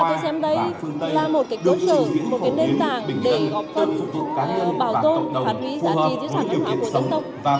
và tôi xem đây là một cách tốt trở một cái nền tảng để góp phân bảo tồn phản hủy giá trị giá trị văn hóa của dân tộc